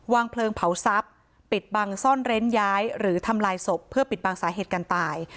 เพลิงเผาทรัพย์ปิดบังซ่อนเร้นย้ายหรือทำลายศพเพื่อปิดบังสาเหตุการตาย